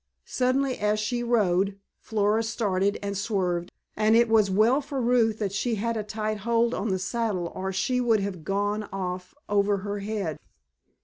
Suddenly as she rode Flora started and swerved, and it was well for Ruth that she had a tight hold on the saddle or she would have gone off over her head.